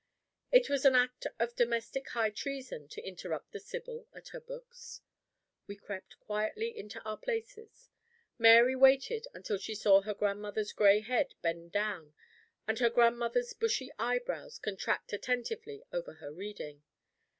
It was an act of domestic high treason to interrupt the Sibyl at her books. We crept quietly into our places. Mary waited until she saw her grandmother's gray head bend down, and her grandmother's bushy eyebrows contract attentively, over her reading.